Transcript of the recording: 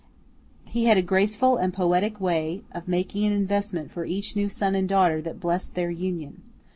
He had a graceful and poetic way of making an investment for each new son and daughter that blessed their union.